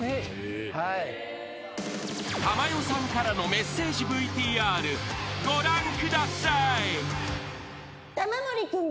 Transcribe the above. ［珠代さんからのメッセージＶＴＲご覧ください］